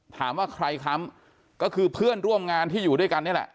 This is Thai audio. ถามว่าใครค้ำก็คือเพื่อนร่วมงานที่อยู่ด้วยกันนี่แหละ